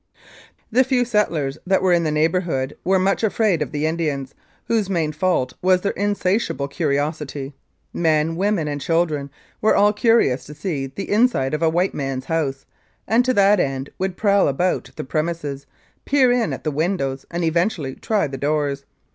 The few settlers that were in that neighbourhood were much afraid of the Indians, whose main fault was their insatiable curiosity. Men, women and children were all curious to see the inside of a white man's house, and to that end would prowl about the premises, peer in at the windows and eventually try the doors.